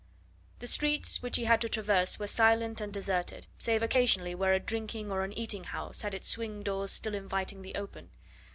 The streets which he had to traverse were silent and deserted, save occasionally where a drinking or an eating house had its swing doors still invitingly open.